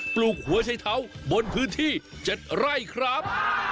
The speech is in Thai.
ปลูกหัวใช้เท้าบนพื้นที่๗ไร่ครับ